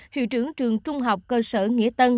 hiệu trưởng trường trung học cơ sở nghĩa tân